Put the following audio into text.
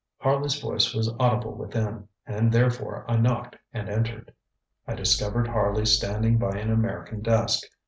Harley's voice was audible within, and therefore I knocked and entered. I discovered Harley standing by an American desk.